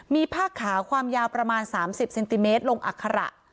มีผ้าขาวความยาวประมาณ๓๐เซนติเมตรลงอัคระ